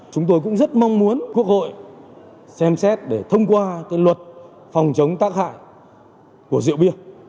chúng tôi cũng rất mong muốn quốc hội xem xét để thông qua luật phòng chống tác hại của rượu bia